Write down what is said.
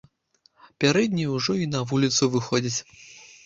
Пярэднія ўжо й на вуліцу выходзяць.